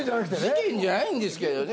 事件じゃないんですけどね。